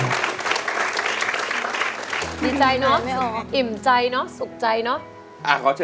ร้องได้ให้ร้อง